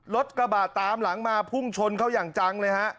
รถกระบะตามหลังมาพุ่งชนเขาอย่างจังเลยฮะ